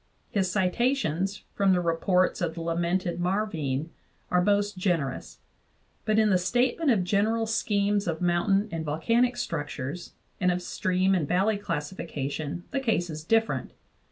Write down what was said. His citations from the reports of the lamented Marvine are most generous ; but in the statement of general schemes of mountain and volcanic structures and of stream and valley classification the case is different.